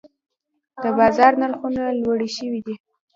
د بازار نرخونه لوړې شوي دي.